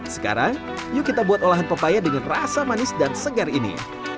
sekarang yuk kita buat olahan pepaya dengan rasa manis dan segar ini